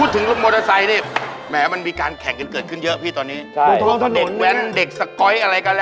ทดสอบการแข่งรถไหมโมโลไซค์